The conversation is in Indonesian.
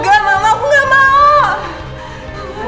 ndina mama aku enggak mau